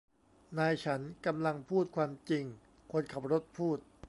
นายฉันกำลังพูดความจริงคนขับรถพูด